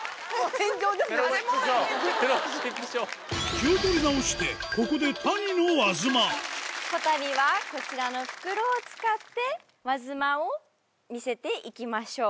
気を取り直してここで谷の和妻此度はこちらの袋を使って和妻を見せていきましょう。